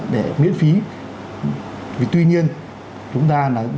để miễn phí tuy nhiên chúng ta là